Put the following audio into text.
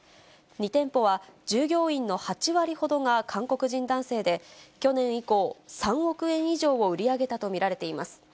２店舗は、従業員の８割ほどが韓国人男性で、去年以降、３億円以上を売り上げたと見られています。